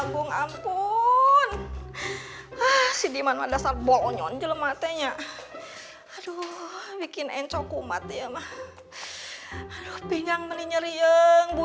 karena dia ngerasa udah bisa ngakalin kamu